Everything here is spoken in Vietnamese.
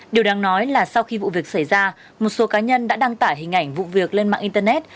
điều đáng nói là sau khi vụ việc xảy ra một số cá nhân đã đăng tải hình ảnh vụ việc lên mạng internet